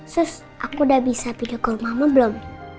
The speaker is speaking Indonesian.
sus aku udah bisa pindah ke rumahmu belum